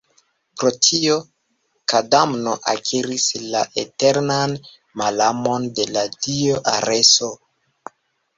Pro tio, Kadmo akiris la eternan malamon de la dio Areso.